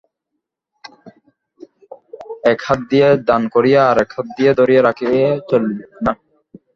এক হাত দিয়া দান করিয়া আর-এক হাত দিয়া ধরিয়া রাখিলে চলবে না।